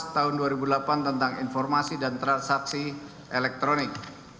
tahun dua ribu delapan tentang informasi dan transaksi elektronik